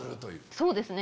そうですね。